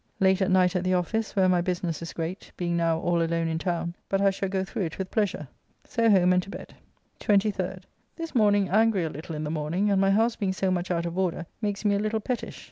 Late at night at the office, where my business is great, being now all alone in town, but I shall go through it with pleasure. So home and to bed. 23rd. This morning angry a little in the morning, and my house being so much out of order makes me a little pettish.